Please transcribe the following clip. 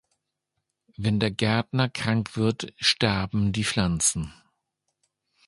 Wenn der Gärtner krank wird, sterben die Pflanzen.